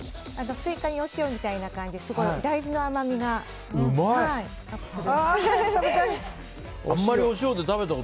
スイカにお塩みたいな感じで大豆の甘みがアップする。